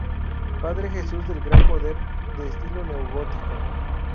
Padre Jesús del Gran Poder, de estilo neogótico.